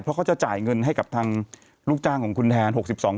เพราะเขาจะจ่ายเงินให้กับทางลูกจ้างของคุณแทน